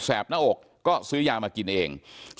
หน้าอกก็ซื้อยามากินเอง